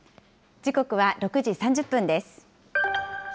時刻は６時３０分です。